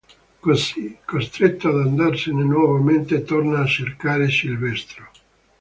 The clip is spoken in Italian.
Così, costretto ad andarsene nuovamente, torna a cercare Silvestro.